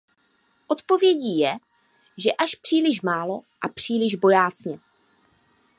Odpovědí je, že až příliš málo a příliš bojácně.